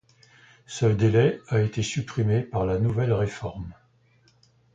Ce délai a été supprimé par la nouvelle réforme.